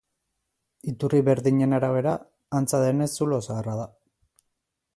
Iturri berdinen arabera, antza denez zulo zaharra da.